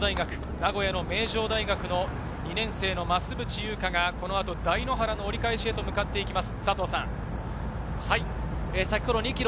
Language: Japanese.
名古屋の名城大学の２年生・増渕祐香がこの後、台原の折り返しへと向かっていきます。